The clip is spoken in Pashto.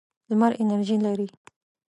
لمر انرژي لري.